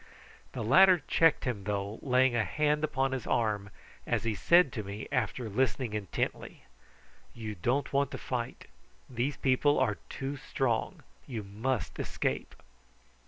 The latter checked him, though, laying a hand upon his arm as he said to me, after listening intently: "You don't want to fight. These people are too strong. You must escape."